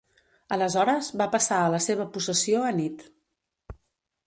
Aleshores, va passar a la seva possessió anit.